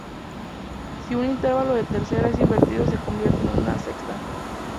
Si un intervalo de tercera es invertido se convierte en una sexta.